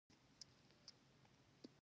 له خصوصي کولو وروسته دغه کچه بیرته لوړیږي.